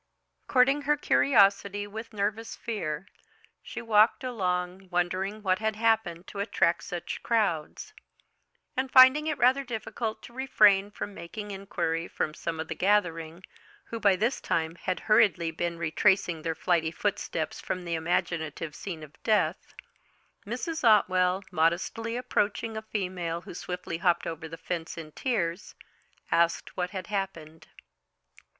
Courting her curiosity with nervous fear, she walked along, wondering what had happened to attract such crowds. And finding it rather difficult to refrain from making inquiry from some of the gathering, who by this time had hurriedly been retracing their flighty footsteps from the imaginative scene of death, Mrs. Otwell, modestly approaching a female who swiftly hopped over the fence in tears, asked what had happened.